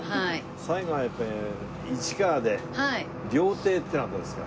最後はやっぱりっていうのはどうですか？